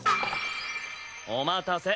お待たせ。